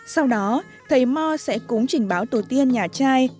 sau đó thầy mò sẽ cúng trình báo tổ tiên nhà trai